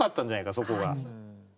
そこが。